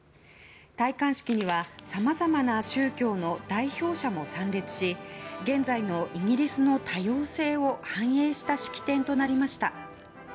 戴冠式にはさまざまな宗教の代表者も参列し現在のイギリスの多様性を反映した式典となりました。